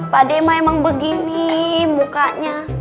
pak dema emang begini mukanya